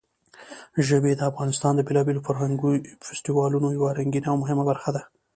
ژبې د افغانستان د بېلابېلو فرهنګي فستیوالونو یوه رنګینه او مهمه برخه ده.